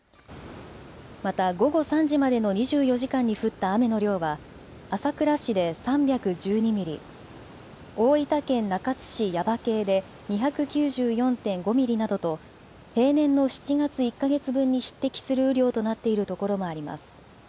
また午後３時までの２４時間に降った雨の量は朝倉市で３１２ミリ、大分県中津市耶馬溪で２９４．５ミリなどと平年の７月１か月分に匹敵する雨量となっている所もあります。